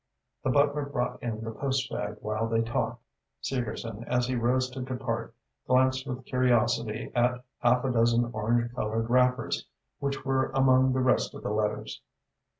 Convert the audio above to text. The butler brought in the postbag while they talked. Segerson, as he rose to depart, glanced with curiosity at half a dozen orange coloured wrappers which were among the rest of the letters.